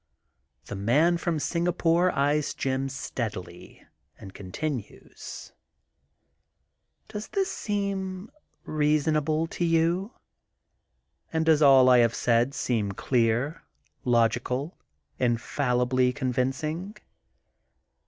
The Man from Singapore eyes Jim steadily and continues: — ^*Does that seem reasonable to you f And does all I have said seem clear, logical, infallibly convincing!''